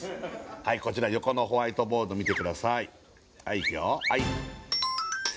はいこちら横のホワイトボード見てください